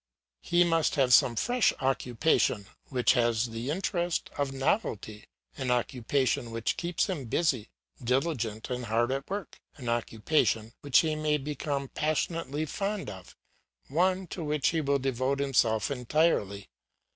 He must have some fresh occupation which has the interest of novelty an occupation which keeps him busy, diligent, and hard at work, an occupation which he may become passionately fond of, one to which he will devote himself entirely.